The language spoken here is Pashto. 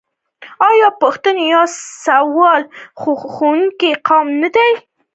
آیا پښتون یو سوله خوښوونکی قوم نه دی؟